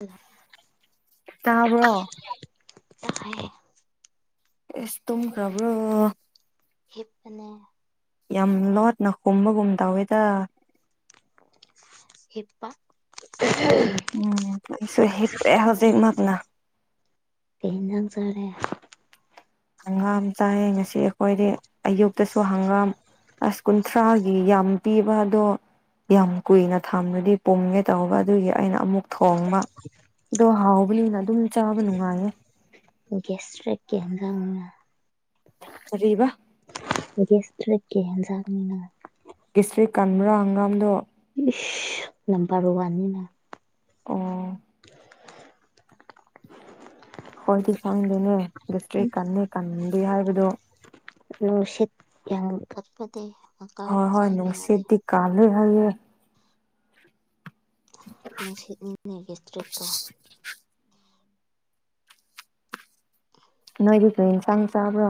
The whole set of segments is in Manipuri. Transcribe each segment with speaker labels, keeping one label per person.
Speaker 1: ꯑꯜꯂ
Speaker 2: ꯇꯥꯕ꯭ꯔꯣ
Speaker 1: ꯇꯥꯏꯍꯦ
Speaker 2: ꯑꯦꯁ ꯇꯨꯝꯈ꯭ꯔꯕꯣ
Speaker 1: ꯅꯦ
Speaker 2: ꯌꯥꯝ ꯂꯣꯠꯅ ꯍꯨꯝꯕꯒꯨꯝ ꯇꯧꯋꯦꯗ
Speaker 1: ꯍꯦꯞꯄ
Speaker 2: ꯎꯝ ꯑꯩꯁꯨ ꯍꯦ ꯄ꯭ꯔꯦ ꯍꯧꯖꯤꯛ ꯃꯥꯅ
Speaker 1: ꯖꯔꯦ
Speaker 2: ꯍꯪꯒꯥꯝ ꯆꯥꯏ ꯉꯁꯤ ꯑꯩꯈꯣꯏꯗꯤ ꯑꯌꯨꯛꯇꯁꯨ ꯍꯪꯒꯥꯝ ꯑꯁ ꯀꯨꯟꯊ꯭ꯔꯥꯒꯤ ꯌꯥꯝ ꯄꯤꯕ ꯑꯗꯣ ꯌꯥꯝ ꯀꯨꯏꯅ ꯊꯝꯂꯗꯤ ꯄꯨꯝꯒꯦ ꯇꯧꯕ ꯑꯗꯨꯒꯤ ꯑꯩꯅ ꯑꯃꯨꯛ ꯊꯣꯡꯕ ꯑꯗꯣ ꯍꯥꯎꯕꯅꯤꯅ ꯑꯗꯨꯝ ꯆꯥꯕ ꯅꯨꯡꯉꯥꯏꯌꯦ
Speaker 1: ꯁꯔ ꯀꯦꯟꯖꯥꯎꯅ
Speaker 2: ꯁꯔꯤꯕ
Speaker 1: ꯒꯦꯁ ꯇ꯭ꯔꯛꯀꯤ ꯌꯦꯟꯖꯥꯡꯅꯤꯅ
Speaker 2: ꯗꯤꯁꯇ꯭ꯔꯤꯛ ꯀꯟꯃꯨꯔꯥ ꯍꯪꯒꯥꯥꯝꯗꯣ
Speaker 1: ꯏ ꯂꯪꯕꯥꯥ ꯔꯨꯋꯥꯅꯤꯅ
Speaker 2: ꯑꯣ ꯍꯣꯏꯗꯤ ꯆꯪꯗꯦꯅꯦ ꯁꯇ꯭ꯔꯤ ꯀꯟꯅ ꯀꯟꯗꯦ ꯍꯥꯏꯕꯗꯨꯣ
Speaker 1: ꯅꯨꯡꯁꯤꯠ ꯌꯥꯝ ꯀꯠꯄꯗꯤ
Speaker 2: ꯍꯣꯏ ꯍꯣꯏ ꯅꯅꯨꯡꯁꯤꯦꯠꯗꯤ ꯀꯜꯣꯏ ꯍꯥꯏꯦ
Speaker 1: ꯅꯨꯡꯁꯤꯠꯅꯤꯅꯦ ꯒꯦꯁꯇ꯭ꯔꯤꯛꯇꯣ
Speaker 2: ꯍꯥꯏꯗꯣ ꯌꯦꯟꯁꯥꯡ ꯆꯥꯕ꯭ꯔꯣ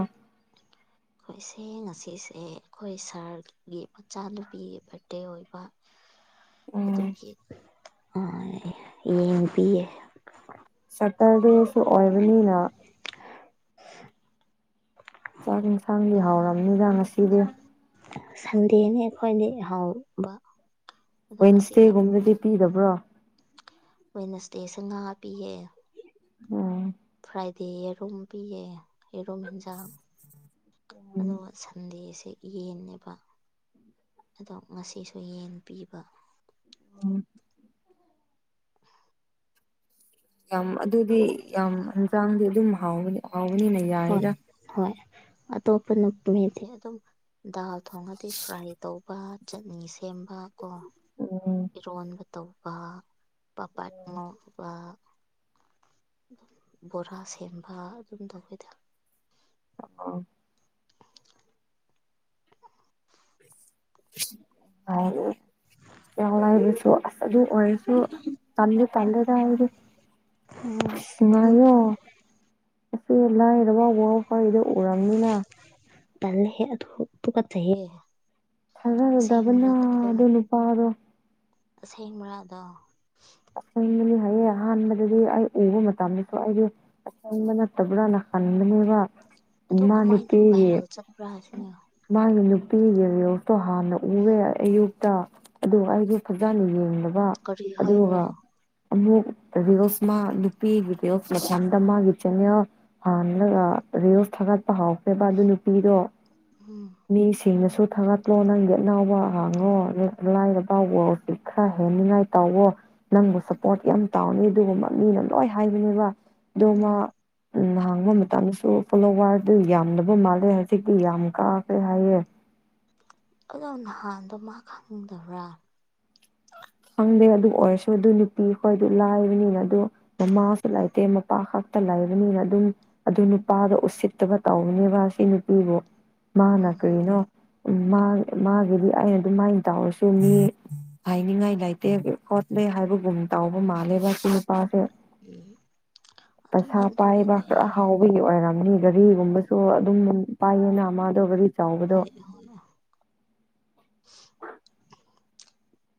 Speaker 1: ꯑꯩꯈꯣꯏꯁꯦ ꯉꯁꯤꯁꯦ ꯑꯩꯈꯣꯏ ꯁꯥꯔꯒꯤ ꯃꯆꯥꯅꯨꯄꯤꯒꯤ ꯕꯥꯔꯗꯦ ꯑꯣꯏꯕ ꯑꯗꯨ
Speaker 2: ꯎꯝ
Speaker 1: ꯑ ꯌꯦꯡꯕꯤꯌꯦ
Speaker 2: ꯁꯇꯔꯗꯦꯁꯨ ꯑꯣꯏꯕꯅꯤꯅ ꯆꯥꯛ ꯌꯦꯟꯁꯥꯡꯗꯤ ꯍꯥꯎꯔꯕꯝꯅꯤꯗ ꯉꯁꯤꯗꯤ
Speaker 1: ꯁꯟꯗꯦꯅꯦ ꯑꯩꯈꯣꯏꯗꯤ ꯍꯥꯎꯕ ꯑꯗꯣ ꯉꯁꯤꯅ
Speaker 2: ꯋꯦꯟꯁꯗꯦꯒꯨꯝꯕꯗꯗꯤ ꯄꯤꯗꯕ꯭ꯔꯣ
Speaker 1: ꯋꯦꯅꯁꯗꯦꯁ ꯉꯥ ꯄꯤꯌꯦ
Speaker 2: ꯑꯣꯝ
Speaker 1: ꯐ꯭ꯔꯥꯏꯗꯦ ꯌꯦꯔꯨꯝ ꯄꯤꯌꯦ ꯌꯦꯔꯨꯝ ꯌꯦꯟꯖꯥꯡ ꯑꯗꯨꯒ ꯁꯟꯗꯦꯁꯦ ꯌꯦꯟꯅꯦꯦꯕ ꯑꯗꯣ ꯉꯁꯤꯁꯨ ꯌꯦꯟ ꯄꯤꯕ
Speaker 2: ꯎꯝ ꯌꯥꯝ ꯑꯗꯨꯗꯤ ꯌꯥꯝ ꯍꯦꯟꯁꯥꯡꯗꯤ ꯑꯗꯨꯝ ꯍꯥꯎꯕꯅꯤ ꯍꯥꯎꯕꯅꯤꯅ
Speaker 1: ꯍꯣꯏ
Speaker 2: ꯌꯥꯢꯗ꯫
Speaker 1: ꯍꯣꯏ ꯑꯇꯣꯞꯄ ꯅꯨ [unintelligible] ꯃꯤꯗꯤ ꯑꯗꯨꯝ ꯗꯥꯜ ꯊꯣꯡꯉꯗꯤ ꯐ꯭ꯔꯥꯏ ꯇꯧ ꯆꯠꯅꯤ ꯁꯦꯝꯕ ꯀꯣ
Speaker 2: ꯎꯝ
Speaker 1: ꯏꯔꯣꯟꯕ ꯇꯧꯕ ꯄꯄꯥꯠ ꯉꯧꯕ ꯕꯣꯔꯥ ꯁꯦꯝꯕ ꯑꯗꯨꯝ ꯇꯧꯕꯋꯤꯗ꯫
Speaker 2: ꯑ [unintelligible] ꯌꯥꯝ ꯂꯥꯏꯕꯁꯨ ꯑꯁ ꯑꯗꯨ ꯑꯣꯏꯔꯁꯨ ꯇꯟꯗꯤ ꯇꯜꯂꯦꯗ ꯑꯩꯗꯤ
Speaker 1: ꯎꯝ
Speaker 2: ꯑꯁ [unintelligible] ꯑꯁꯦ ꯂꯥꯏꯔꯕ ꯋꯥꯜ ꯈꯣꯏꯗꯣ ꯎꯔꯝꯅꯤꯅ
Speaker 1: ꯇꯜꯂꯦꯍꯦ ꯑꯗꯨ ꯇꯨꯀꯠꯆꯩꯍꯦ꯫
Speaker 2: ꯊꯥꯖꯔꯨꯗꯕꯅ
Speaker 1: ꯑꯁꯦꯡꯕꯔ
Speaker 2: ꯑꯗꯨ ꯅꯨꯄꯥꯗꯣ꯫
Speaker 1: ꯑꯁꯦꯡꯕ꯭ꯔꯥ ꯑꯗꯣ ꯫
Speaker 2: ꯑꯁꯪꯕꯅꯤ ꯍꯥꯏꯌꯦ ꯑꯍꯥꯟꯕꯗꯗꯤ ꯑꯩ ꯎꯕ ꯃꯇꯝꯗꯁꯨ ꯑꯩꯖꯨ ꯑꯁꯪꯕ ꯅꯠꯇꯕ꯭ꯔꯥꯅ ꯈꯟꯕꯅꯦꯕ
Speaker 1: ꯑꯗꯨ
Speaker 2: ꯃꯥ
Speaker 1: ꯀꯃꯥꯏꯅ
Speaker 2: ꯅꯨꯄꯤꯒꯤ
Speaker 1: ꯚꯥꯏꯔꯦꯜ ꯆꯠꯄ꯭ꯔꯥ ꯁꯤꯅꯦ꯫
Speaker 2: [unintelligible] ꯍꯥꯟꯅ ꯎꯌꯦ ꯑꯌꯨꯛꯇ ꯑꯗꯨꯒ ꯑꯩꯗꯤ ꯐꯖꯅ ꯌꯦꯡꯗꯕ
Speaker 1: ꯀꯔꯤ ꯍꯥꯏꯕ꯭ꯔꯥ꯫
Speaker 2: ꯑꯗꯨꯒ ꯑꯃꯨꯛ ꯖꯦꯔꯣꯛꯁ ꯃꯥ ꯅꯨꯄꯤꯒꯤ ꯖꯦꯔꯣꯛꯁ ꯃꯊꯟꯇ ꯃꯥꯒꯤ ꯆꯦꯅꯦꯜ ꯍꯥꯡꯂꯒ ꯔꯤꯜꯁ ꯊꯥꯒꯠꯄ ꯍꯧꯈ꯭ꯔꯦꯕ ꯑꯗꯨ ꯅꯨꯄꯤꯗꯣ
Speaker 1: ꯎꯝ
Speaker 2: ꯃꯤꯁꯤꯡꯅꯁꯨ ꯊꯥꯒꯠꯂꯣ ꯅꯪꯒꯤ ꯑꯅꯧꯕ ꯍꯥꯡꯉꯣ ꯂꯥꯏꯔꯕ ꯋꯥꯔꯜꯗꯩ ꯈꯔ ꯍꯦꯟꯅꯤꯉꯥꯏ ꯇꯧꯋꯣ꯫ ꯅꯪꯕꯨ ꯁꯄꯣꯔꯠ ꯌꯥꯝ ꯇꯥꯎꯅꯤ ꯑꯗꯨꯒꯨꯝꯕ ꯃꯤꯅ ꯂꯣꯏ ꯍꯥꯏꯕꯅꯦꯕ ꯗꯣ
Speaker 1: ꯎꯝ
Speaker 2: ꯃꯥ ꯅꯍ ꯌꯦꯕ ꯃꯇꯝꯗꯁꯨ ꯐꯂꯣꯋꯥꯔꯗꯨ ꯌꯥꯝꯗꯕ ꯃꯥꯜꯂꯦ ꯍꯧꯖꯤꯛꯇꯤ ꯌꯥꯝ ꯀꯥꯈ꯭ꯔꯦ ꯍꯥꯏꯌꯦ꯫
Speaker 1: ꯑꯗꯣ ꯅꯍꯥꯟꯗꯣ ꯃꯥ ꯈꯪꯗꯕ꯭ꯔꯥ
Speaker 2: ꯈꯪꯗꯦ ꯑꯗꯨ ꯑꯣꯏꯔꯁꯨ ꯑꯗꯨ ꯅꯨꯄꯤ ꯈꯣꯏꯗꯨ ꯂꯥꯏꯔꯕꯅꯤꯅ ꯑꯗꯨ ꯃꯃꯥꯁꯨ ꯂꯩꯇꯦ ꯃꯄꯥ ꯈꯛꯇ ꯂꯩꯕ ꯅꯤꯅ ꯑꯗꯨꯝ ꯑꯗꯨ ꯅꯨꯄꯥꯗꯣ ꯎꯁꯤꯠꯇꯕ ꯇꯧꯕꯅꯦꯕ ꯁꯤ ꯅꯨꯄꯤꯕꯨ ꯃꯥꯅꯥ
Speaker 1: ꯎꯝ
Speaker 2: ꯀꯔꯤꯅꯣ ꯃꯥ ꯃꯥꯒꯤꯗꯤ ꯑꯩꯅ ꯑꯗꯨꯃꯥꯏꯅ ꯇꯧꯔꯁꯨ ꯃꯤ ꯍꯥꯏꯅꯤꯡꯉꯥꯏ ꯂꯩꯇꯦ ꯈꯣꯠꯂꯦ ꯍꯥꯏꯕꯒꯨꯝ ꯇꯥꯎꯕ ꯃꯥꯜꯂꯦꯕ ꯅꯨꯄꯥꯁꯦ
Speaker 1: ꯎꯝ ꯑꯗꯨꯝ
Speaker 2: ꯄꯩꯁꯥ
Speaker 1: ꯍꯦꯛ
Speaker 2: ꯄꯥꯏꯕ ꯈꯔ ꯍꯥꯎꯕꯒꯤ ꯑꯣꯏꯔꯝ ꯒꯥꯔꯤꯒꯨꯝꯕꯁꯨ ꯑꯗꯨꯝ ꯄꯥꯏꯌꯦꯅ ꯃꯥꯗꯣ ꯒꯥꯔꯤ ꯆꯥꯎꯕꯗꯣ
Speaker 1: [unintelligible]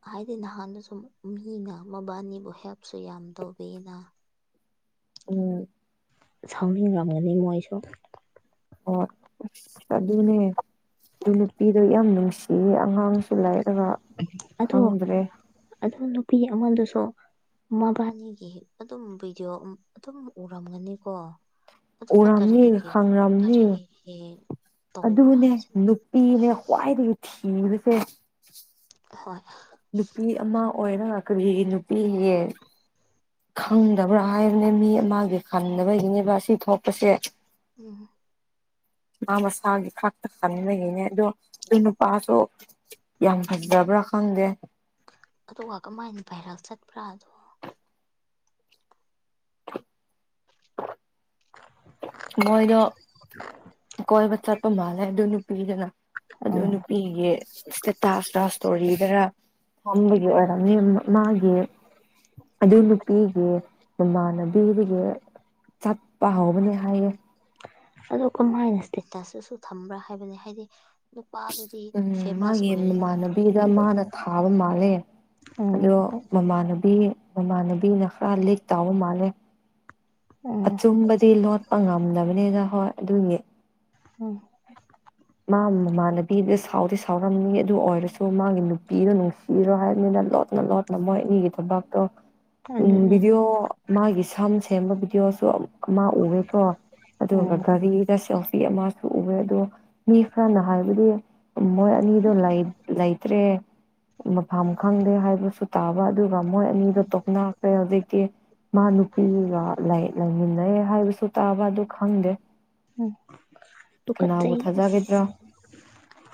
Speaker 1: ꯍꯥꯏꯗꯤ ꯅꯍꯥꯟꯗꯨ ꯁꯨꯝ ꯃꯤꯅ ꯃꯕꯥꯅꯤꯕꯨ ꯍꯦꯜꯞꯁꯨ ꯌꯥꯝ ꯇꯧꯕꯤꯅ
Speaker 2: ꯎꯝ꯫
Speaker 1: ꯁꯥꯎꯅꯤꯡꯂꯝꯒꯅꯤ ꯃꯣꯏꯁꯨ
Speaker 2: ꯑꯣ [unintelligible] ꯑꯗꯨꯅꯦ ꯑꯗꯨ ꯅꯨꯄꯤꯗꯣ ꯌꯥꯝ ꯅꯨꯡꯁꯤꯌꯦ ꯑꯉꯥꯡꯁꯨ ꯂꯩ
Speaker 1: ꯑꯗꯣ ꯑꯗꯣ ꯅꯨꯄꯤ ꯑꯃꯗꯨꯁꯨ ꯃꯕꯥꯅꯤꯒꯤ ꯑꯗꯨꯝ ꯚꯤꯗꯤꯑꯣ ꯎꯝ ꯑꯗꯨꯝ ꯎꯔꯝꯒꯅꯤꯀꯣ꯫ ꯑꯗꯨꯗ
Speaker 2: ꯎꯔꯝꯅꯤ
Speaker 1: ꯀꯔꯤꯒꯤ
Speaker 2: ꯈꯪꯔꯝꯅꯤ
Speaker 1: ꯀꯔꯤꯒꯤ ꯇꯧꯕ꯭ꯔꯥ
Speaker 2: ꯑꯗꯨꯅꯦ ꯅꯨꯄꯤꯅꯦ ꯈ꯭ꯋꯥꯏꯗꯒꯤ ꯊꯤꯕꯁꯦ꯫
Speaker 1: ꯍꯣꯏ꯫
Speaker 2: ꯅꯨꯄꯤ ꯑꯃ ꯑꯣꯏꯔ ꯀꯔꯤꯒꯤ ꯅꯨꯄꯤ ꯌꯦ ꯈꯪꯗꯕ꯭ꯔꯥ ꯍꯥꯏꯕꯅꯦ ꯃꯤ ꯑꯃꯒꯤ ꯈꯪꯗꯕꯒꯤꯅꯦꯕ ꯑꯁꯤ ꯊꯣꯛꯄꯁꯦ꯫
Speaker 1: ꯎꯝ꯫
Speaker 2: ꯃꯥ ꯃꯁꯥꯒꯤ ꯈꯥꯛꯇ ꯈꯟꯕꯒꯤꯅꯦ ꯑꯗꯣ ꯑꯗꯨ ꯅꯨꯄꯥꯁꯨ ꯌꯥꯝ ꯐꯖꯕ꯭ꯔꯥ ꯈꯪꯗꯦ꯫
Speaker 1: ꯑꯗꯨꯒ ꯀꯃꯥꯏꯅ ꯚꯥꯏꯔꯦꯜ ꯆꯠꯄ꯭ꯔꯥ ꯗꯣ [inaudible]
Speaker 2: ꯃꯣꯏꯗꯣ ꯀꯣꯏꯕ ꯆꯠꯄ ꯃꯥꯜꯂꯦ ꯑꯗꯨ ꯅꯨꯄꯤꯗꯨꯅ ꯑꯗꯨ
Speaker 1: ꯑꯣ
Speaker 2: ꯅꯨꯄꯤꯒꯤ ꯏꯁꯇꯦꯇꯥꯁꯇ ꯏꯁꯇꯣꯔꯤꯗꯔ ꯐꯝꯕꯒꯤ ꯑꯣꯏꯔꯝꯃꯤ ꯃꯥꯒꯤ ꯑꯗꯨ ꯅꯨꯄꯤꯒꯤ ꯃꯃꯥꯟꯅꯕꯤꯒꯤ ꯆꯠꯄ ꯍꯧꯕꯅꯦ ꯍꯥꯏꯌꯦ
Speaker 1: ꯑꯣ ꯀꯃꯥꯏꯅ ꯏꯁꯇꯦꯇꯁꯇꯁꯨ ꯊꯝꯕ꯭ꯔꯥ ꯍꯥꯏꯕꯅꯦ ꯍꯥꯏꯗꯤ ꯅꯨꯄꯥꯗꯨꯗꯤ
Speaker 2: ꯎꯝ
Speaker 1: ꯐꯦꯃꯁ
Speaker 2: ꯃꯥꯒꯤ
Speaker 1: ꯑꯣꯏꯔꯦꯅ
Speaker 2: ꯃꯃꯥꯟꯅꯕꯤꯗ
Speaker 1: ꯃꯅꯤꯄꯨꯔꯗꯗꯤ
Speaker 2: ꯃꯥꯅ ꯊꯥꯕ ꯃꯥꯜꯂꯦ
Speaker 1: ꯎꯝ
Speaker 2: ꯑꯗꯣ ꯃꯃꯥꯟꯅꯕꯤ ꯃꯃꯥꯟꯅꯕꯤꯅ ꯈꯔ ꯂꯤꯛ ꯇꯥꯎꯕ ꯃꯥꯜꯂꯦ
Speaker 1: ꯎꯝ
Speaker 2: ꯑꯆꯨꯝꯕꯗꯤ ꯂꯣꯠꯄ ꯉꯝꯗꯕꯅꯤꯅ ꯍꯣꯏ ꯑꯗꯨꯒꯤ
Speaker 1: ꯎꯝ
Speaker 2: ꯃꯥ ꯃꯃꯥꯟꯅꯕꯤꯗ ꯁꯥꯎꯗꯤ ꯁꯥꯎꯔꯝꯅꯤ ꯑꯗꯨ ꯑꯣꯏꯔꯁꯨ ꯃꯥꯒꯤ ꯅꯨꯄꯤꯗꯨꯣ ꯅꯨꯡꯁꯤꯔꯣ ꯍꯥꯏꯕꯅꯤꯅ ꯂꯣꯠꯅ ꯂꯣꯠꯅ ꯃꯣꯏ ꯑꯅꯤꯒꯤ ꯊꯕꯥꯛꯇꯣ ꯎꯝ
Speaker 1: ꯑꯗꯨꯅꯦ
Speaker 2: ꯚꯤꯗꯤꯑꯣ ꯃꯥꯒꯤ ꯁꯝ ꯁꯦꯝꯕ ꯚꯤꯗꯤꯑꯣꯁꯨ ꯑꯃ ꯎꯋꯦꯀꯣ ꯑꯗꯨꯒ
Speaker 1: ꯎꯝ
Speaker 2: ꯒꯥꯔꯤꯗ ꯁꯦꯜꯐꯤ ꯑꯃꯁꯨ ꯎꯋꯦ ꯑꯗꯣ ꯃꯤ ꯈꯔꯅ ꯍꯥꯏꯕꯗꯤ ꯃꯣꯏ ꯑꯅꯤꯗꯣ ꯂꯩꯇ꯭ꯔꯦ ꯃꯐꯝ ꯈꯪꯗꯦ ꯍꯥꯏꯕꯁꯨ ꯇꯥꯕ ꯑꯗꯨꯒ ꯃꯣꯏ ꯑꯅꯤꯗꯣ ꯇꯣꯛꯅꯈ꯭ꯔꯦ ꯍꯧꯖꯤꯛꯇꯤ ꯃꯥ ꯅꯨꯄꯤꯒ ꯂ ꯂꯩꯃꯤꯟꯅꯩ ꯍꯥꯏꯁꯨ ꯇꯥꯕ ꯑꯗꯨ ꯈꯪꯗꯦ
Speaker 1: ꯎꯝ ꯇꯨ ꯀꯠ ꯆꯌꯦ
Speaker 2: ꯖꯒꯦꯗ꯭ꯔꯥ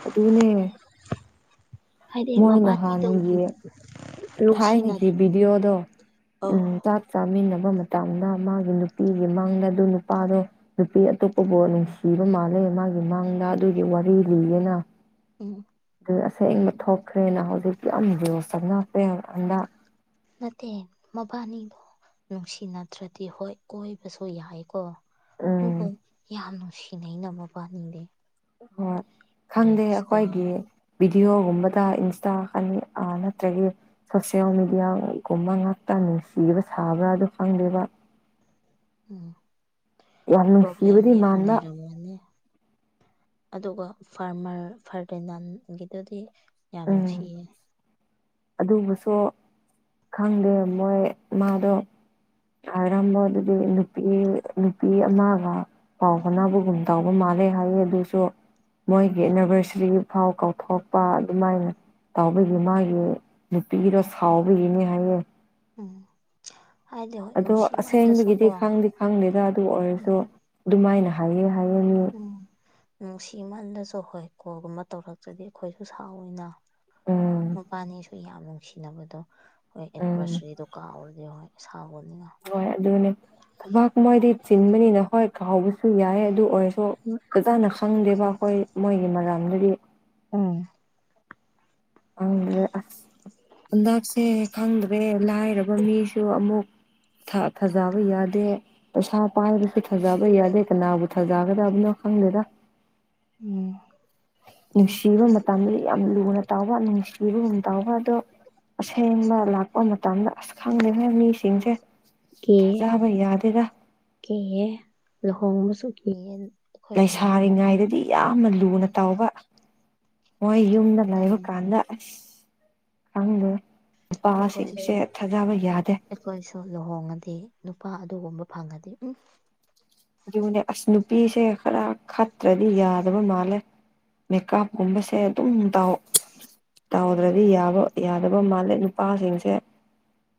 Speaker 2: ꯑꯗꯨꯅꯦ
Speaker 1: ꯍꯥꯏꯗꯤ ꯋꯥꯕꯥ ꯇ
Speaker 2: ꯊꯥꯏ ꯅꯅꯤ ꯕꯤꯗꯤꯑꯣꯗꯣ ꯎꯝ
Speaker 1: ꯑꯣ
Speaker 2: ꯆ ꯆ ꯐꯥꯃꯤꯟꯅꯕ ꯃꯇꯝꯗ ꯃꯥꯒꯤ ꯅꯨꯄꯤꯒꯤ ꯃꯥꯡꯗ ꯑꯗꯨ ꯅꯨꯄꯥꯗꯣ ꯅꯨꯄꯤ ꯑꯇꯣꯞꯄꯕꯨ ꯅꯨꯡꯁꯤꯕ ꯃꯥꯜꯂꯦ ꯃꯥꯒꯤ ꯃꯥꯡꯗ ꯑꯗꯨꯒꯤ ꯋꯥꯔꯤ ꯂꯤꯌꯦꯅ
Speaker 1: ꯎꯝ
Speaker 2: ꯑꯗꯨ ꯑꯁꯦꯡꯕ ꯊꯣꯛꯈ꯭ꯔꯦꯅ ꯍꯧꯖꯤꯛꯇꯤ ꯌꯥꯝ ꯆꯞꯅꯦ ꯍꯟꯗꯛ
Speaker 1: ꯅꯠꯇꯦ ꯃꯕꯥꯅꯤꯗꯣ ꯅꯨꯡꯁꯤꯅꯗ꯭ꯔꯗꯤ ꯍꯣꯏ ꯀꯣꯏꯕꯁꯨ ꯌꯥꯏꯀꯣ ꯑꯗꯨꯕꯨ
Speaker 2: ꯎꯝ
Speaker 1: ꯌꯥꯝ ꯅꯨꯡꯁꯤꯅꯅꯕ ꯄꯥꯅꯤꯡꯗꯦ
Speaker 2: ꯍꯣꯏ ꯈꯪꯗꯦ ꯑꯩꯈꯣꯏꯒꯤ ꯚꯤꯗꯤꯑꯣꯒꯨꯝꯕꯗ ꯏꯟꯁꯇꯥ ꯑ ꯅꯠꯇ꯭ꯔꯒꯤ ꯁꯣꯁꯦꯜ ꯃꯦꯗꯤꯌꯥꯒꯨꯝꯕ ꯉꯥꯛꯇ ꯅꯨꯡꯁꯤꯕ ꯁꯥꯕ꯭ꯔꯥ ꯑꯗꯨ ꯈꯪꯗꯦꯕ
Speaker 1: ꯎꯝ
Speaker 2: ꯌꯥꯝ
Speaker 1: ꯄ꯭ꯔꯣꯕꯂꯦꯝ
Speaker 2: ꯅꯨꯡꯁꯤꯕꯗꯤ
Speaker 1: ꯌꯥꯝ
Speaker 2: ꯃꯥꯟꯕ
Speaker 1: ꯅꯔꯃꯣꯅꯦ ꯑꯗꯨꯒ ꯐꯥꯔꯃꯔ ꯐꯔꯗꯦꯅꯥꯟꯒꯤꯗꯨꯗꯤ ꯌꯥꯝ
Speaker 2: ꯎꯝ
Speaker 1: ꯅꯨꯡꯁꯤꯌꯦ
Speaker 2: ꯑꯗꯨꯕꯨꯁꯨ ꯈꯪꯗꯦ ꯃꯣꯏ ꯃꯥꯗꯣ ꯑꯔꯝꯕ ꯑꯗꯨꯗꯤ ꯅꯨꯄꯤ ꯅꯨꯄꯤ ꯑꯃꯒ ꯄꯥꯎ ꯀꯅꯥꯕꯨꯒꯨꯝ ꯇꯧꯕ ꯃꯥꯜꯜꯂꯤ ꯐꯦ ꯍꯥꯏꯌꯦ ꯁꯨ ꯃꯣꯏꯒꯤ ꯑꯦꯅꯤꯚꯔꯁꯔꯤ ꯐꯥꯎ ꯀꯥꯎꯊꯣꯛꯄ ꯑꯗꯨꯃꯥꯏꯅ ꯇꯧꯕꯒꯤ ꯃꯥꯒꯤ ꯅꯨꯄꯤꯒꯤꯗꯣ
Speaker 1: ꯎꯝ
Speaker 2: ꯁꯥꯎꯕꯒꯤꯅꯤ ꯍꯥꯏꯌꯦ
Speaker 1: ꯎꯝ ꯍꯥꯏꯗꯤ ꯍꯣꯏ
Speaker 2: ꯑꯗꯣ
Speaker 1: ꯅꯨꯡꯁꯤꯃꯜꯂꯁꯨ
Speaker 2: ꯑꯁꯦꯡꯕꯒꯤꯗꯤ
Speaker 1: ꯀꯣ
Speaker 2: ꯈꯪꯗꯦ ꯈꯪꯗꯦꯗ ꯑꯗꯨ ꯑꯣꯏꯔꯁꯨ ꯑꯗꯨꯃꯥꯏꯅ ꯍꯥꯏꯌꯦ ꯍꯥꯏꯌꯦ ꯃꯤ
Speaker 1: ꯎꯝ ꯅꯨꯡꯁꯤꯃꯜꯗꯁꯨ ꯍꯣꯏ ꯀꯣꯒꯨꯝꯕ ꯇꯧꯔꯛꯇ꯭ꯔꯗꯤ ꯑꯩꯈꯣꯏꯁꯨ ꯁꯥꯎꯋꯤꯅ
Speaker 2: ꯎꯝ
Speaker 1: ꯃꯄꯥꯅꯤꯁꯨ ꯌꯥꯝ ꯅꯨꯡꯁꯤꯅꯕꯗꯣ ꯍꯣꯏ
Speaker 2: ꯎꯝ
Speaker 1: ꯑꯦꯅꯤꯚꯔꯁꯔꯤꯗꯣ ꯀꯥꯎꯔꯗꯤ ꯍꯣꯏ ꯁꯥꯎꯒꯅꯤꯅ
Speaker 2: ꯍꯣꯏ ꯑꯗꯨꯅꯦ ꯊꯕꯥꯛ ꯃꯣꯏꯗꯤ ꯆꯤꯟꯕꯅꯤꯅ ꯍꯣꯏ ꯀꯥꯎꯕ ꯁꯨ ꯌꯥꯏ ꯑꯗꯨ ꯑꯣꯏꯔꯁꯨ ꯐꯖꯅ ꯈꯪꯗꯦꯕ ꯑꯩꯈꯣꯏ ꯃꯣꯏꯒꯤ ꯃꯔꯝꯗꯗꯤ
Speaker 1: ꯎꯝ
Speaker 2: ꯑ ꯑꯁ ꯍꯟꯗꯛꯁꯦ ꯈꯪꯗ꯭ꯔꯦ ꯂꯥꯏꯔꯕ ꯃꯤꯁꯨ ꯑꯃꯨꯛ ꯊꯥꯖꯕ ꯌꯥꯗꯦ ꯄꯩꯁꯥ ꯄꯥꯏꯕꯁꯨ ꯊꯥꯖꯕ ꯌꯥꯗꯦ ꯀꯅꯥꯕꯨ ꯊꯥꯖꯒꯗꯕꯅꯣ ꯈꯪꯗꯦꯗ
Speaker 1: ꯎꯝ
Speaker 2: ꯅꯨꯡꯁꯤꯕ ꯃꯇꯝꯗꯗꯤ ꯌꯥꯝ ꯂꯨꯅ ꯇꯥꯎꯕ ꯅꯨꯡꯁꯤꯕꯒꯨꯝ ꯇꯥꯎꯕ ꯑꯗꯣ ꯑꯁꯦꯡꯕ ꯂꯥꯛꯄ ꯃꯇꯝꯗ ꯑꯁ ꯈꯪꯗꯦ ꯃꯤꯁ ꯁꯤꯡꯁꯦ
Speaker 1: ꯀꯤꯌꯦ
Speaker 2: ꯊꯥꯖꯕ ꯌꯥꯗꯦꯔ
Speaker 1: ꯀꯤꯌꯦ ꯂꯨꯍꯣꯡꯕꯁꯨ ꯀ
Speaker 2: ꯂꯩꯁꯥꯔꯤꯉꯥꯏꯗꯗꯤ ꯌꯥꯝꯅ ꯂꯨꯅ
Speaker 1: ꯎꯝ
Speaker 2: ꯇꯥꯎꯕ ꯃꯣꯏ ꯌꯨꯝꯗ ꯂꯩꯕ
Speaker 1: ꯑꯗꯨꯅꯤ
Speaker 2: ꯀꯥꯟꯗ ꯑꯁ ꯈꯪꯗꯦ
Speaker 1: ꯑꯩꯈꯣꯏꯁꯨ
Speaker 2: ꯅꯨꯄꯥꯁꯤꯡꯁꯦ ꯊꯥꯖꯕ ꯌꯥꯗꯦ
Speaker 1: ꯑꯩꯈꯣꯏꯁꯨ ꯂꯨꯍꯣꯡꯉꯗꯤ ꯅꯨꯄꯥ ꯑꯗꯨꯒꯨꯝꯕ ꯐꯪꯉꯗꯤ ꯎꯝ
Speaker 2: ꯑꯗꯨꯕꯨꯅꯦ ꯑꯁ ꯅꯨꯄꯤꯁꯦ ꯈꯔ ꯈꯠꯇ꯭ꯔꯗꯤ ꯌꯥꯗꯕ ꯃꯥꯜꯂꯦ ꯃꯦꯀꯞꯀꯨꯝꯕꯁꯦ ꯑꯗꯨꯝ ꯇꯥꯎ ꯇꯥꯎꯗ꯭ꯔꯗꯤ ꯌꯥꯕ ꯌꯥꯗꯕ ꯃꯥꯜꯂꯦ ꯅꯨꯄꯥꯁꯤꯡꯁꯦ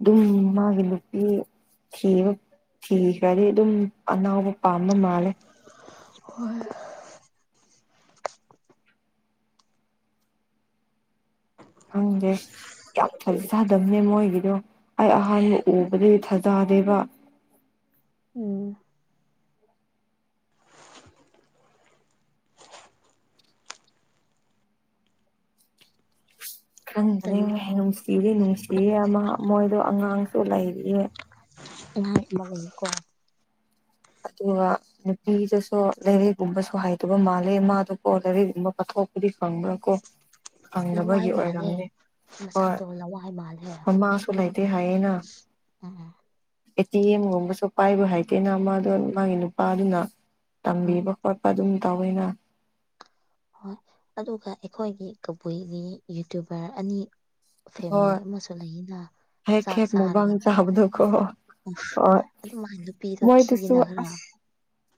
Speaker 2: ꯑꯗꯨꯝ ꯃꯥꯒꯤ ꯅꯨꯄꯤ ꯊꯤꯕ ꯊꯤꯈ꯭ꯔꯗꯤ ꯑꯗꯨꯝ ꯑꯅꯥꯎꯕ ꯄꯥꯝꯕ ꯃꯥꯂꯦ
Speaker 1: ꯍꯣꯏ
Speaker 2: ꯍꯪꯗꯦ ꯌꯥꯝ ꯐꯔꯤ ꯎꯗꯝꯅꯦ ꯃꯣꯏꯒꯤꯗꯣ ꯑꯩ ꯑꯍꯥꯟꯕ ꯎꯕꯗꯤ ꯊꯥꯖꯗꯦꯕ
Speaker 1: ꯎꯝ
Speaker 2: ꯈꯪꯗ꯭ꯔꯦ
Speaker 1: ꯇꯜꯂꯦ
Speaker 2: ꯅꯨꯡꯁꯤꯔꯤ ꯅꯨꯡꯁꯤꯌꯦ ꯑꯃ ꯃꯣꯏꯗꯣ ꯑꯉꯥꯡꯁꯨ ꯂꯩꯔꯤꯌꯦ
Speaker 1: [unintelligible]
Speaker 2: ꯑꯗꯨꯒ ꯅꯨꯄꯤꯗꯨꯁꯨ ꯂꯩꯥꯏꯔꯛꯒꯨꯝꯕꯁꯨ ꯍꯥꯏꯗꯕ ꯃꯥꯜꯂꯦ ꯃꯥꯗꯨꯀꯣ ꯂꯥꯏꯔꯛꯒꯨꯝꯕ ꯄꯊꯣꯛ ꯊꯣꯛꯄꯗꯤ ꯐꯪꯕ꯭ꯔꯥ ꯀꯣ ꯐꯪꯗꯕꯒꯤ ꯑꯣꯏꯔꯝꯅꯤ
Speaker 1: ꯃꯁꯥ
Speaker 2: ꯍꯣꯏ
Speaker 1: ꯇꯣ ꯂꯋꯥ ꯍꯥꯏ ꯃꯥꯜꯂꯦꯔ
Speaker 2: ꯃꯃꯥꯁꯨ ꯂꯩꯇꯦ ꯍꯥꯏꯌꯦꯅ
Speaker 1: ꯎꯝ
Speaker 2: ꯑꯦ ꯇꯤ ꯑꯦꯝꯒꯨꯝꯕꯁꯨ ꯄꯥꯏꯕ ꯍꯥꯏꯗꯦꯅ ꯃꯥꯗꯣ ꯃꯥꯒꯤ ꯅꯨꯄꯥꯗꯨꯅ
Speaker 1: ꯍꯣꯏ
Speaker 2: ꯇꯝꯕꯤꯕ ꯈꯣꯠꯄ ꯑꯗꯨꯝ ꯇꯧꯋꯦꯅ
Speaker 1: ꯍꯣꯏ ꯑꯗꯨꯒ ꯑꯩꯈꯣꯏꯒꯤ ꯀꯕꯨꯏꯒꯤ ꯌꯨꯇꯨꯕꯔ ꯑꯅꯤ
Speaker 2: ꯍꯣꯏ
Speaker 1: ꯐꯦꯃꯤꯂꯤ ꯑꯃꯁꯨ ꯂꯩꯅ
Speaker 2: ꯍꯦꯛ ꯍꯦꯛ ꯃꯨꯛꯕꯥꯥꯡ ꯆꯕꯗꯨ ꯀꯣ
Speaker 1: ꯎ ꯑꯗꯨꯃꯥꯏꯅ ꯅꯨꯄꯤꯗꯣ ꯊꯤꯌꯦꯅ ꯈꯔ
Speaker 2: ꯑꯁ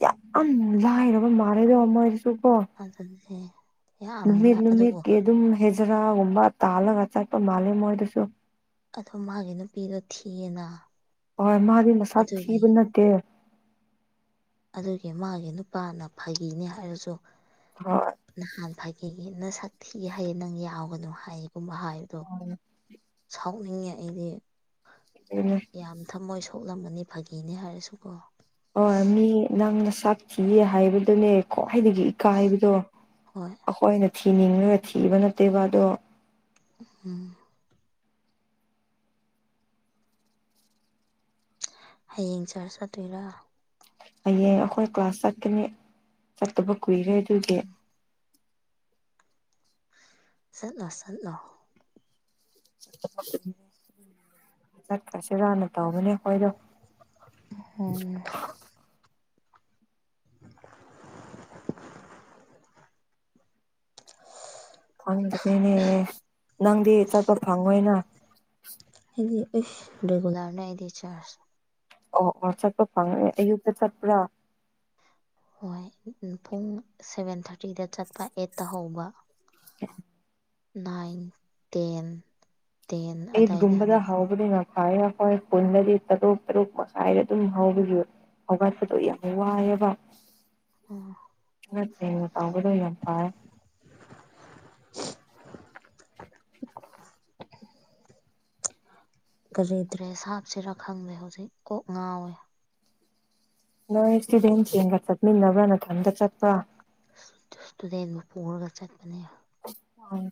Speaker 2: ꯌꯥꯝ ꯂꯥꯏꯔꯕ ꯃꯥꯔꯣꯏꯗꯣ ꯑꯃ
Speaker 1: ꯑꯗꯨꯦ [inaudible] [unintelligible]
Speaker 2: ꯅꯨꯃꯤꯠ ꯅꯨꯃꯤꯠꯀꯤ ꯑꯗꯨꯝ ꯍꯦꯖꯔꯥꯒꯨꯝꯕ ꯇꯥꯜꯂꯒ ꯆꯠꯄ ꯃꯥꯜꯂꯦ ꯃꯣꯏꯗꯨꯁꯨ
Speaker 1: ꯑꯗꯣ ꯃꯥꯒꯤ ꯅꯨꯄꯤꯗꯣ ꯊꯤꯌꯦꯅ
Speaker 2: ꯍꯣꯏ ꯃꯥꯗꯤ ꯃꯁꯥ
Speaker 1: ꯑꯗꯨꯒꯤ
Speaker 2: ꯊꯤꯕ ꯅꯠꯇꯦ
Speaker 1: ꯑꯗꯨꯒꯤ ꯃꯥꯒꯤ ꯅꯨꯄꯥꯅ ꯐꯥꯒꯤꯅꯦ ꯍꯥꯏꯔꯁꯨ
Speaker 2: ꯍꯣꯏ
Speaker 1: ꯅꯍꯥꯟ ꯐꯥꯒꯤ ꯅ ꯁꯥꯊꯤꯒ ꯍꯥꯏꯌꯦ ꯅꯪ ꯌꯥꯎꯒꯅꯣ ꯍꯥꯏꯌꯦꯒꯨꯝꯕ ꯍꯥꯏꯕꯗꯣ ꯁꯥꯎꯅꯤꯡꯉꯦ ꯑꯩꯗꯤ
Speaker 2: ꯑꯗꯨꯅꯦ
Speaker 1: ꯌꯥꯝ ꯊꯝꯃꯣꯏ ꯁ ꯊꯣꯛꯂꯝꯕꯅꯤ ꯐꯥꯒꯤꯅꯦ ꯍꯥꯏꯔꯁꯨꯀꯣ
Speaker 2: ꯑꯣ ꯃꯤ ꯅꯪꯅ ꯁꯛꯊꯤꯌꯦ ꯍꯥꯏꯕꯗꯨꯅꯦꯀꯣ ꯍꯥꯏꯗꯒꯤ ꯏꯀꯥꯏꯕꯗꯣ
Speaker 1: ꯍꯣꯏ
Speaker 2: ꯑꯩꯈꯣꯏꯅ ꯊꯤꯅꯤꯡꯉꯒ ꯊꯤꯕ ꯅꯠꯇꯦꯕ ꯑꯗꯣ
Speaker 1: ꯎꯝ [inaudible] [unintelligible] ꯍꯌꯦꯡ ꯆꯥꯔꯁ ꯆꯠꯇꯣꯏꯔꯥ
Speaker 2: ꯍꯌꯦꯡ ꯑꯩꯈꯣꯏ ꯀ꯭ꯂꯥꯁ ꯆꯠꯀꯅꯤ ꯆꯠꯇꯕ ꯀꯨꯏꯔꯦ
Speaker 1: ꯎꯝ
Speaker 2: ꯑꯗꯨꯗꯤ
Speaker 1: ꯆꯠꯂꯣ ꯆꯠꯂꯣ
Speaker 2: ꯆꯠꯈꯁꯤ ꯍꯥꯟꯅ ꯇꯧꯕꯧꯕꯅꯦ ꯑꯩꯈꯣꯏꯗꯣ
Speaker 1: ꯑꯣꯝ [inaudible]
Speaker 2: ꯐꯪꯗ꯭ꯔꯦꯅꯦ ꯅꯪꯗꯤ ꯆꯠꯄ ꯐꯪꯉꯣꯏꯅ
Speaker 1: ꯑꯦ ꯔꯦꯒꯨꯂꯔꯅ ꯑꯗꯤ ꯆꯔꯖ
Speaker 2: ꯑꯣ ꯑꯣ ꯆꯠꯄ ꯐꯪ ꯑꯩꯌꯨꯛꯇ ꯆꯠꯄ꯭ꯔꯥ
Speaker 1: ꯍꯣꯏ ꯄꯨꯡ ꯁꯚꯦꯟ ꯊꯥꯔꯇꯤꯗ ꯆꯠꯄ ꯑꯦꯠꯇ ꯍꯧꯕ
Speaker 2: [unintelligible] [inaudible]
Speaker 1: ꯅꯥꯏꯟ ꯇꯦꯟ ꯇꯦꯟ ꯑꯗꯥꯏꯗ
Speaker 2: ꯏꯗꯒꯨꯝꯕꯗ
Speaker 1: ꯍꯜꯂꯛ
Speaker 2: ꯍꯥꯎꯕꯗꯤ ꯍ ꯍꯣꯏ ꯄꯨꯟꯟꯅꯗꯤ ꯇꯔꯨꯛ ꯇꯔꯨꯛ ꯉꯥꯏꯗ ꯑꯗꯨꯝ ꯍꯕꯈꯤꯕ ꯑꯋꯥ ꯇꯗꯨ ꯏꯍ ꯋꯥꯕ
Speaker 1: ꯎꯝ
Speaker 2: ꯑꯦꯡ ꯇꯕꯗ ꯌꯥꯝ ꯇꯦ
Speaker 1: ꯀꯔꯤꯗ꯭ꯔꯦ ꯁꯥꯞꯁꯤꯔꯥ ꯈꯪꯗꯦ ꯍꯧꯖꯤꯛ ꯀꯣꯛ ꯉꯥꯎꯋꯦ
Speaker 2: ꯅꯣꯏ ꯏꯁꯇꯨꯗꯦꯟ ꯆꯦꯟꯒ ꯆꯠꯃꯤꯟꯅꯕ꯭ꯔꯥ ꯅꯊꯟꯇ ꯆꯠꯄ꯭ꯔꯥ
Speaker 1: ꯇꯗꯒ ꯄꯨꯔꯒ ꯆꯠ ꯃꯅꯦ
Speaker 2: ꯎ